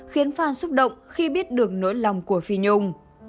khiến phan xúc động khi biết được nỗi lòng của phi nhung